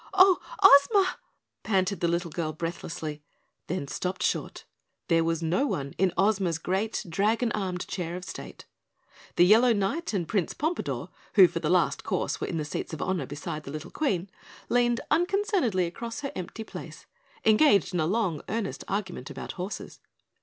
"Oh, Ozma!" panted the little girl breathlessly then stopped short. There was no one in Ozma's great dragon armed chair of state. The Yellow Knight and Prince Pompadore, who for the last course were in the seats of honor beside the little Queen, leaned unconcernedly across her empty place, engaged in a long, earnest argument about horses.